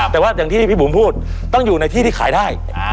แต่ว่าอย่างที่พี่บุ๋มพูดต้องอยู่ในที่ที่ขายได้